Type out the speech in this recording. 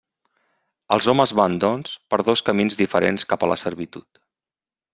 Els homes van, doncs, per dos camins diferents cap a la servitud.